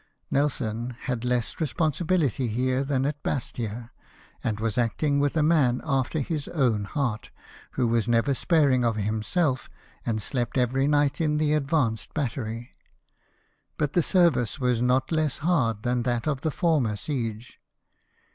"^ Nelson had less responsibility here than at Bastia; and was acting with a man after his own heart, who was never sparing of himself, and slept every night in the advanced battery. But the service was not less hard than that of the former siege.